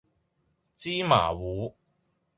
芝麻糊